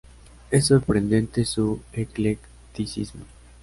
Es sorprendente su eclecticismo.